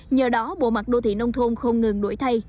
nhờ đó bộ mặt đô thị nông thôn không ngừng đổi thay